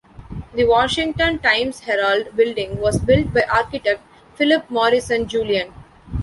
The Washington Times-Herald Building was built by architect Philip Morrisson Jullien.